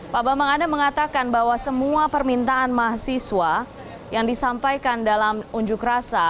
pak bambang anda mengatakan bahwa semua permintaan mahasiswa yang disampaikan dalam unjuk rasa